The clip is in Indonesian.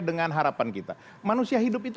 dengan harapan kita manusia hidup itu